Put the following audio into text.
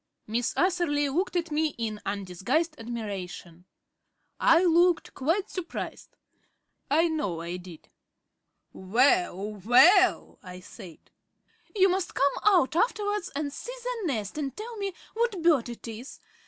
Miss Atherley looked at me in undisguised admiration. I looked quite surprised I know I did. "Well, well!" I said. "You must come out afterwards and see the nest and tell me what bird it is.